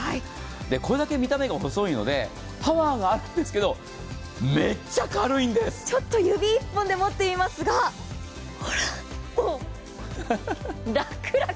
これだけ見た目が細いので、パワーはあるんですけどちょっと指１本で持ってみますが、ほら、ラクラク。